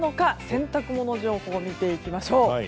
洗濯物情報を見ていきましょう。